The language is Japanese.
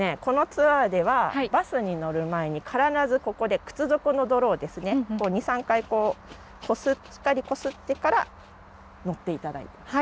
このツアーではバスに乗る前に必ずここで靴底の泥をですね２３回しっかりこすってから乗っていただいて。